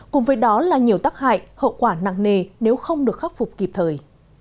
cùng với đó là nhiều tác hại hậu quả nặng nề nếu không được khắc phục kịp thời